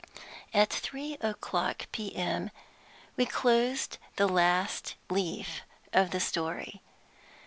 At 3 o'clock P.M. we closed the last leaf of the story.